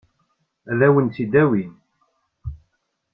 Ad wen-t-id-awin?